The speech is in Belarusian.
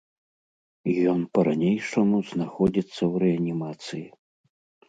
Ён па-ранейшаму знаходзіцца ў рэанімацыі.